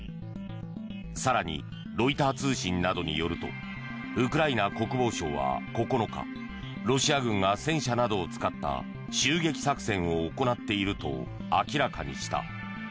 更に、ロイター通信などによるとウクライナ国防省は９日ロシア軍が戦車などを使った襲撃作戦を行っていると明らかにした。